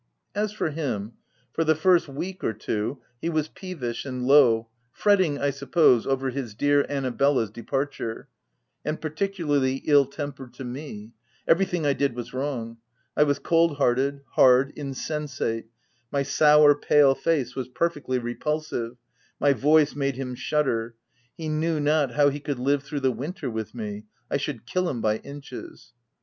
As for him : for the first week or two, he was peevish and low — fretting, I suppose, over his dear AnnabehVs departure — and particularly ill tempered to me : everything I did was wrong ; I was cold hearted, hard, insensate ; my sour, pale face was perfectly repulsive; my voice made him shudder ; he knew not how he could live through the winter with me ; I should kill him by inches.